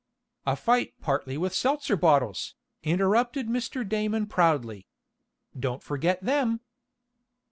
"A fight partly with seltzer bottles," interrupted Mr. Damon proudly. "Don't forget them."